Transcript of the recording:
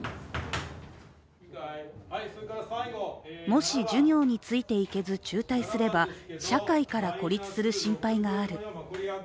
もし、授業についていけず中退すれば社会から孤立する心配がある。